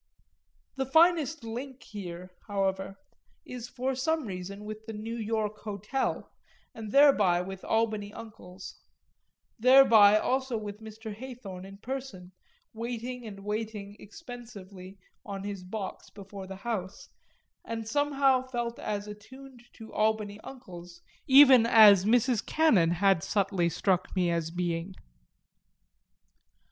The finest link here, however, is, for some reason, with the New York Hotel, and thereby with Albany uncles; thereby also with Mr. Hathorn in person waiting and waiting expensively on his box before the house and somehow felt as attuned to Albany uncles even as Mrs. Cannon had subtly struck me as being.